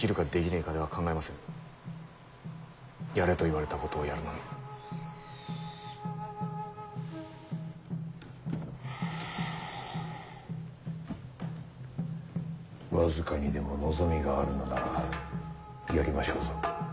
僅かにでも望みがあるのならやりましょうぞ。